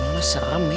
lama lama serem ya